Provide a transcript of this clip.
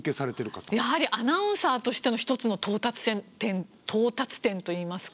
やはりアナウンサーとしての一つの到達点といいますか。